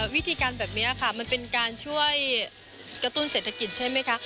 วิธีการแบบนี้ค่ะมันเป็นการช่วยกระตุ้นเศรษฐกิจใช่ไหมคะ